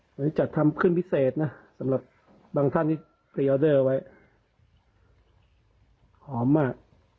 หรือจะทำขึ้นพิเศษน่ะสำหรับบางท่านที่เอาไว้หอมมาก